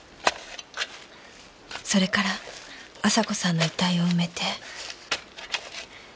それから亜沙子さんの遺体を埋めて。